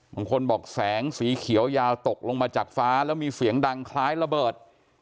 บางคนบอกแสงสีเขียวยาวตกลงมาจากฟ้าแล้วมีเสียงดังคล้ายระเบิด